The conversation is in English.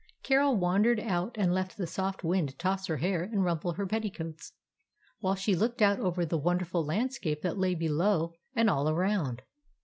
Carol wandered out and let the soft wind toss her hair and rumple her petticoats, while she looked out over the wonderful landscape that lay below and all around.